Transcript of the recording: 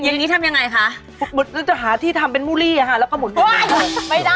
อย่างนี้ทำยังไงคะหาที่ทำเป็นมุลี่อะค่ะแล้วพอหมดไม่ได้แม่